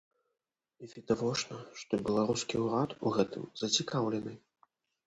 І відавочна, што беларускі ўрад у гэтым зацікаўлены.